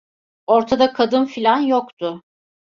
Ortada kadın filan yoktu.